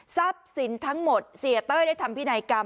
ทรัพย์สินทั้งหมดเศรษฐ์เต้ยได้ทำพินัยกรรม